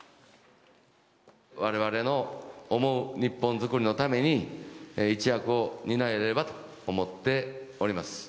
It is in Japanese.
われわれの思う日本作りのために、一翼を担えればと思っております。